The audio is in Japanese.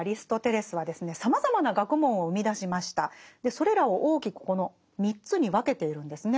それらを大きくこの３つに分けているんですね。